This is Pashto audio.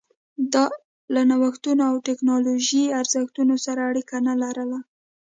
دا له نوښتونو او ټکنالوژۍ ارزښتونو سره اړیکه نه لرله